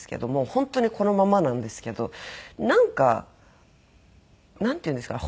本当にこのままなんですけどなんかなんていうんですかね？